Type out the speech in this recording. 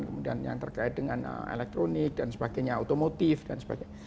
kemudian yang terkait dengan elektronik dan sebagainya otomotif dan sebagainya